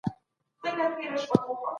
ایا د دولت عایدات په رښتیا کم سوي وو؟